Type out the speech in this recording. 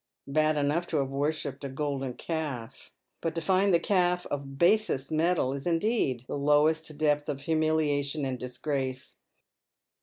Bad enough to have worshipped a golden calf ; but to find the calf of basest metal is indeed the lowest depth of humiliation and disgrace.